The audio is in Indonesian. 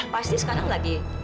pasti sekarang lagi